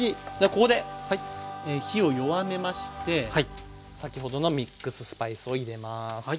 ここで火を弱めまして先ほどのミックススパイスを入れます。